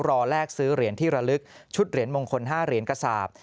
แลกซื้อเหรียญที่ระลึกชุดเหรียญมงคล๕เหรียญกระสาป